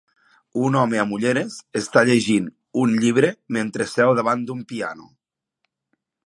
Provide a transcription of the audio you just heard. Un home amb ulleres està llegint un llibre mentre seu davant d'un piano.